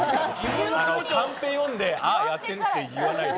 あのカンペ読んでああやってるって言わないで。